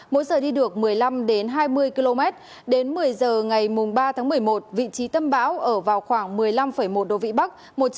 mỗi giờ đi được một mươi năm hai mươi km đến một mươi giờ ngày ba tháng một mươi một vị trí tâm bão ở vào khoảng một mươi năm một độ vĩ bắc